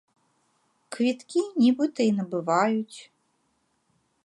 Квіткі нібыта і набываюць.